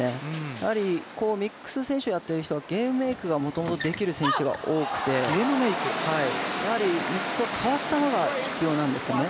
やはりミックス選手をやっている人はゲームメークがもともとできる選手が多くてミックスをかわす球が必要なんですね。